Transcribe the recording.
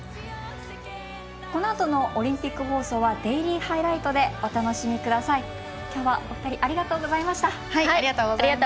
このあとのオリンピック放送はデイリーハイライトでお楽しみください。